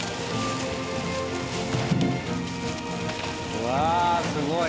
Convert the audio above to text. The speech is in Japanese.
うわすごい！